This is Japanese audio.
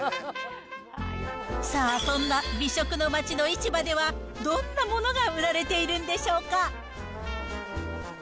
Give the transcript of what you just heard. さあ、そんな美食の街の市場では、どんなものが売られているんでしょうか。